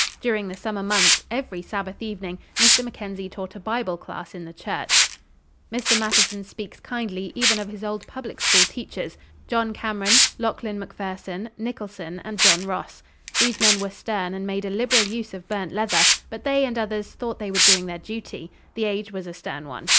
During the summer months, every Sabbath evening, Mr. Mackenzie taught a Bible class in the church." Mr. Matheson speaks kindly even of his old public school teachers—John Cameron, Lachlan Macpherson, Nicholson, and John Ross. "These men were stern, and made a liberal use of burnt leather; but they and others thought they were doing their duty. The age was a stern one.